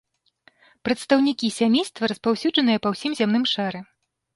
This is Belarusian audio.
Прадстаўнікі сямейства распаўсюджаныя па ўсім зямным шары.